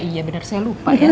iya benar saya lupa ya